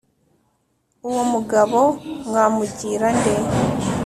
Uwo mugabo mwamugira nde?